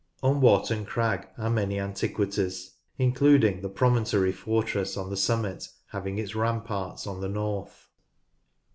On Warton Crag are many antiquities, Yealand Village including the promontory fortress on the summit having its ramparts on the north.